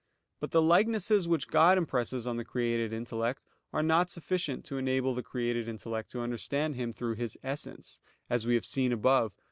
But the likenesses which God impresses on the created intellect are not sufficient to enable the created intellect to understand Him through His Essence, as we have seen above (Q.